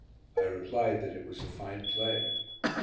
I replied that it was a fine play.